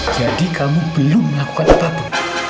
jadi kamu belum melakukan apa apa